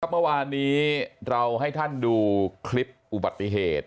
เมื่อวานนี้เราให้ท่านดูคลิปอุบัติเหตุ